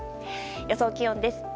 予想気温です。